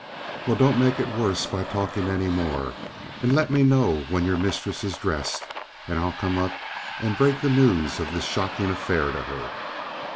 "Well, don't make it worse by talking any more. And let me know when your mistress is dressed, and I'll come up and break the news of this shocking affair to her."